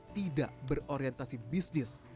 tidak berorientasi bisnis